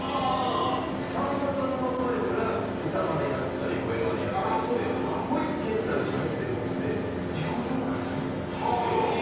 さんまさんの声から歌マネをやったり声マネやったり。ほいけんたでしゃべってるのって自己紹介だけなんですよ。